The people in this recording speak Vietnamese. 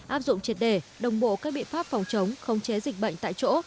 áp dụng triệt đề đồng bộ các biện pháp phòng chống khống chế dịch bệnh tại chỗ